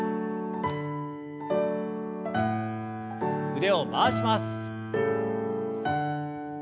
腕を回します。